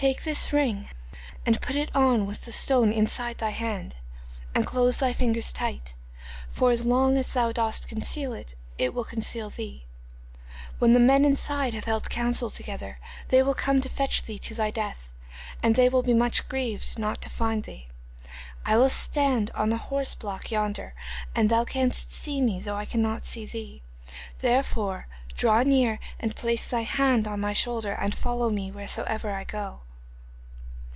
Take this ring and put it on with the stone inside thy hand, and close thy fingers tight, for as long as thou dost conceal it, it will conceal thee. When the men inside have held counsel together, they will come to fetch thee to thy death, and they will be much grieved not to find thee. I will stand on the horse block yonder and thou canst see me though I cannot see thee. Therefore draw near and place thy hand on my shoulder and follow me wheresoever I go.